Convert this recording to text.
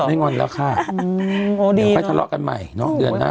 ไม่หายงอนแล้วค่ะอืมโอ้ดีเนอะไปทะเลาะกันใหม่เนอะเดือนหน้า